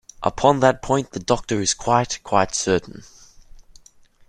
Upon that point the doctor is quite, quite certain.